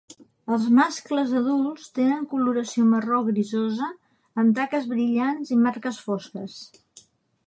Els mascles adults tenen coloració marró grisosa amb taques brillants i marques fosques.